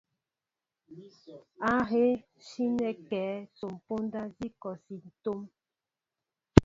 Ahéé sínέ kɛέ son póndá nzi kɔsi é tóóm ?